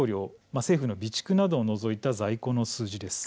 政府の備蓄などを除いた在庫の数字です。